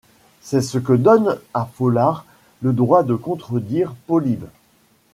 C’est ce qui donne à Folard le droit de contredire Polybe.